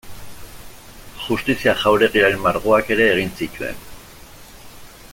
Justizia Jauregiaren margoak ere egin zituen.